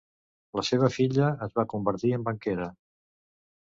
La seva filla es va convertir en banquera.